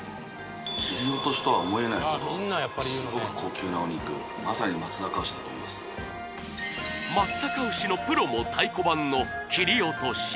切り落としとは思えないほどすごく高級なお肉まさに松阪牛だと思います松阪牛のプロも太鼓判の切り落とし